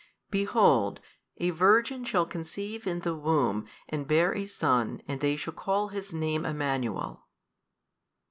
Behold a Virgin shall conceive in the womb and bear a Son and they shall call His Name Emmanuel.